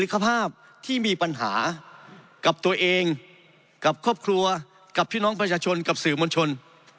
คภาพที่มีปัญหากับตัวเองกับครอบครัวกับพี่น้องประชาชนกับสื่อมวลชน